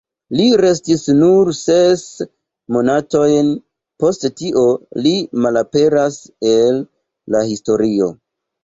Li restis nur ses monatojn; post tio li malaperas el la historio.